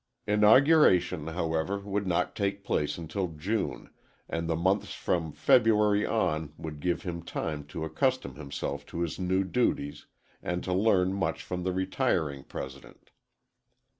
Inauguration, however, would not take place until June, and the months from February on would give him time to accustom himself to his new duties, and to learn much from the retiring president.